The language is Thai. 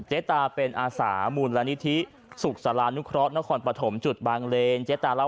เจ๊ตาเป็นอาสามูลละนิทิสุขศรนุครอสนครปฐมจุดบางเลน